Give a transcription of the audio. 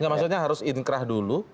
maksudnya harus inkra dulu